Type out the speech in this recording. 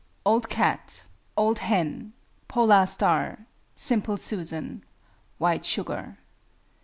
OLD CAT. OLD HEN. POLAR STAR. SIMPLE SUSAN. WHITE SUGAR.